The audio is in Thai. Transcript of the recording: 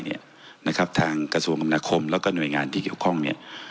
นะครับทางกระทรวงกรรมนาคมแล้วก็หน่วยงานที่เกี่ยวข้องเนี่ย